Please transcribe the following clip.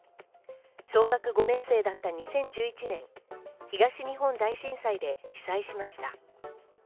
小学５年生だった２０１１年、東日本大震災で被災しました。